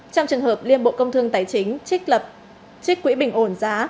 trong trường hợp liên bộ công thương tài chính trích quỹ bình ổn giá